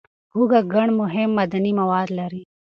هوږه ګڼ مهم معدني مواد لري.